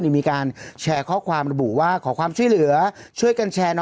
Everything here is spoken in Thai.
เนี่ยมีการแชร์ข้อความระบุว่าขอความช่วยเหลือ